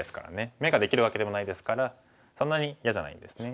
眼ができるわけでもないですからそんなに嫌じゃないんですね。